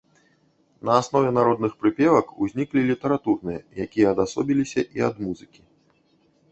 На аснове народных прыпевак узніклі літаратурныя, якія адасобіліся і ад музыкі.